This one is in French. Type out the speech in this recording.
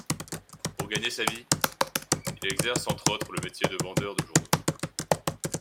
Pour gagner sa vie, il exerce entre autres le métier de vendeur de journaux.